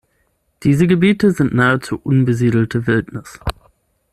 Diese Gebiete sind nahezu unbesiedelte Wildnis.